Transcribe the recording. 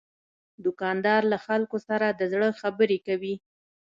دوکاندار له خلکو سره د زړه خبرې کوي.